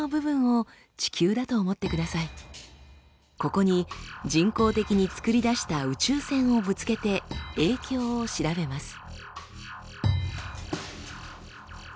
ここに人工的に作り出した宇宙線をぶつけて影響を調べます。